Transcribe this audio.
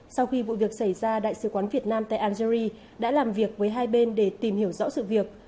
sau khi vụ việc xảy ra đại sứ quán việt nam tại algerie đã làm việc với hai bên để tìm hiểu rõ sự việc